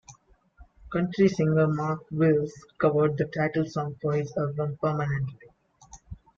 Country singer Mark Wills covered the title song for his album Permanently.